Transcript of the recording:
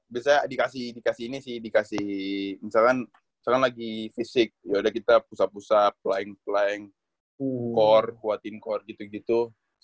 biasanya dikasih ini sih dikasih misalkan lagi fisik ya udah kita push up push up plank plank core kuatin core gitu gitu